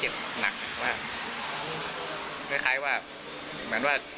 ช่วยเร่งจับตัวคนร้ายให้ได้โดยเร่ง